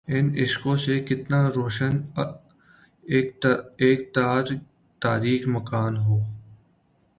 ان اشکوں سے کتنا روشن اک تاریک مکان ہو